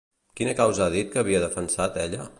Quina causa ha dit que havia defensat ella?